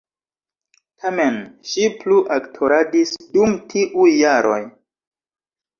Tamen, ŝi plu aktoradis dum tiuj jaroj.